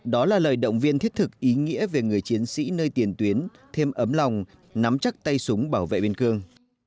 đó là lời động viên thiết thực ý nghĩa về người chiến sĩ nơi tiền tuyến thêm ấm lòng nắm chắc tay súng bảo vệ biên cương